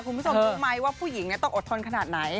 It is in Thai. คุณผู้ชมรู้ไหมว่าผู้หญิงต้องอดทนขนาดไหน